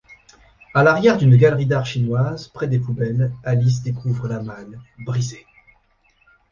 À l'arrière d'une galerie d'art chinoise, près des poubelles, Alice découvre la malle, brisée.